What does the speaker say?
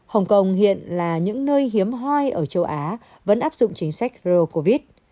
hồng kông hiện là những nơi hiếm hoi ở châu á vẫn áp dụng chính sách rô covid